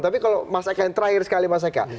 tapi kalau mas eka yang terakhir sekali mas eka